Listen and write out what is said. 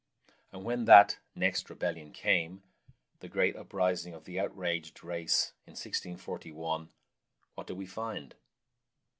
And when that "next rebellion" came, the great uprising of the outraged race in 1641, what do we find?